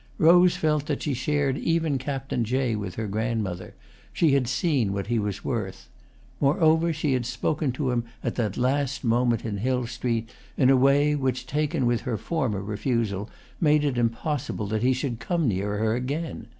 Rose felt that she shared even Captain Jay with her grandmother; she had seen what he was worth. Moreover, she had spoken to him at that last moment in Hill Street in a way which, taken with her former refusal, made it impossible that he should come near her again.